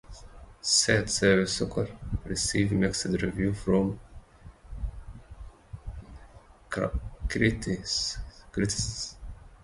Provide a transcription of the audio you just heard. "Sad Sappy Sucker" received mixed reviews from critics.